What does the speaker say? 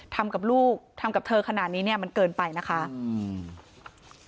ทำกับลูกทำกับเธอขนาดนี้เนี้ยมันเกินไปนะคะอืม